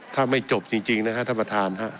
ถ้าไม่จบจริงนะครับท่านประธานฮะ